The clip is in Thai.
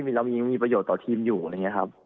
วิ่งเรามีประโยชน์ต่อทีมอยู่นะครับ